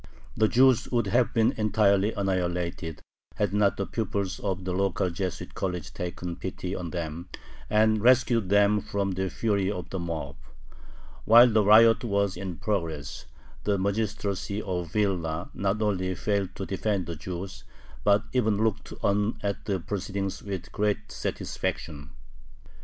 The Jews would have been entirely annihilated, had not the pupils of the local Jesuit college taken pity on them, and rescued them from the fury of the mob. While the riot was in progress, the magistracy of Vilna not only failed to defend the Jews, but even looked on at the proceedings "with great satisfaction."